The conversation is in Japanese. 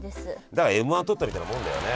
だからＭ−１取ったみたいなもんだよね。